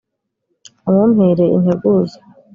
umumpere integuza.